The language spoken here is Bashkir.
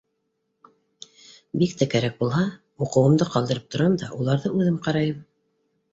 Бик тә кәрәк булһа, уҡыуымды ҡалдырып торам да, уларҙы үҙем ҡарайым.